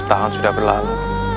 tujuh belas tahun sudah berlalu